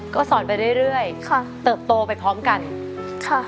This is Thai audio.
ก็สอนไปเรื่อยเรื่อยค่ะเติบโตไปพร้อมกันค่ะ